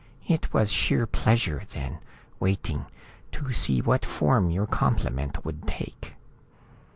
It was sheer pleasure then, waiting, to see what form your compliment would take."